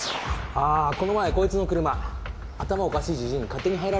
あこの前こいつの車頭おかしいジジイに勝手に入られましたよ。